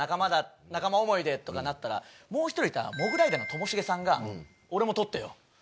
「仲間想い」でとかなったらもう１人いたモグライダーのともしげさんが。